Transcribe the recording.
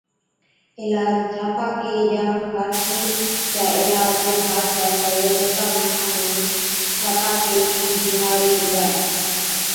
عِلاج، ڇاپاڪي يان بڙي خارسِي چا عِلاج ها ڇَي تہ جڪا ماڻسا نُون ڇاپاڪي چِي بِيمارِي هُوَي